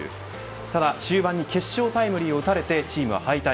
ただ終盤に決勝タイムリーを打たれてチームは敗退。